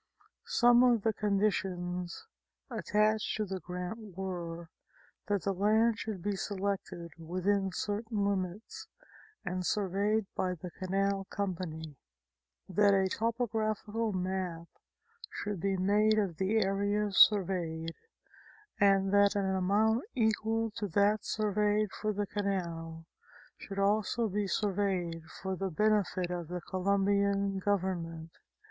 Some of the conditions attached to this grant were, that the land should be selected within certain limits and surveyed by the Canal Company ; that a topographical map should be made of the areas surveyed and that an amount, equal to that surveyed for the canal should also be surveyed for the benefit of the Colombian Government.